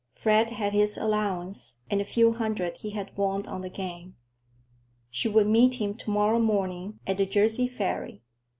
Fred had his allowance and a few hundred he had won on the game. She would meet him to morrow morning at the Jersey ferry.